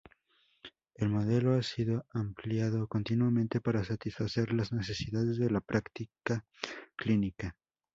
El modelo ha sido ampliado continuamente para satisfacer las necesidades de la práctica clínica.